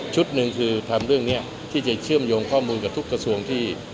หนึ่งคือทำเรื่องนี้ที่จะเชื่อมโยงข้อมูลกับทุกกระทรวงที่